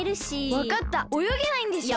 わかったおよげないんでしょ？